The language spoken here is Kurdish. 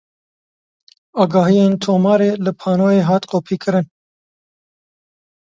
Agahiyên tomarê li panoyê hat kopîkirin.